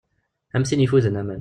Am tin yeffuden aman.